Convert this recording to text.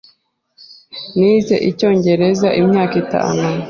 Nize Icyongereza imyaka itanu.